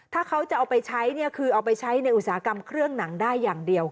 ถ้าเขาจะเอาไปใช้เนี่ยคือเอาไปใช้ในอุตสาหกรรมเครื่องหนังได้อย่างเดียว